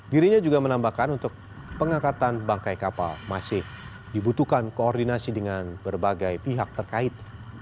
dirinya juga menambahkan untuk pengangkatan bangkai kapal masih dibutuhkan koordinasi dengan berbagai pihak terkait